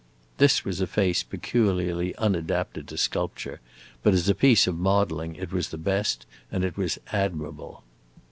This was a face peculiarly unadapted to sculpture; but as a piece of modeling it was the best, and it was admirable.